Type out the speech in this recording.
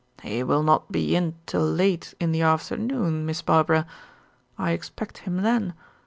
"He will not be in till late in the afternoon, Miss Barbara. I expect him then.